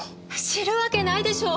知るわけないでしょ！！